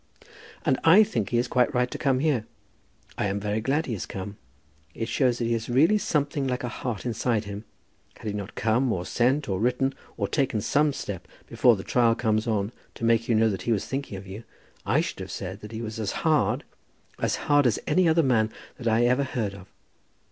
"And I think he is quite right to come here. I am very glad he has come. It shows that he has really something like a heart inside him. Had he not come, or sent, or written, or taken some step before the trial comes on, to make you know that he was thinking of you, I should have said that he was as hard, as hard as any other man that I ever heard of.